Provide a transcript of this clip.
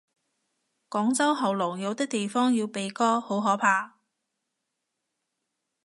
廣州喉嚨，有啲地方要鼻哥，好可怕。